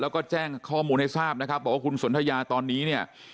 แล้วก็แจ้งข้อมูลให้ทราบนะครับบอกว่าคุณสนทยาตอนนี้เนี่ย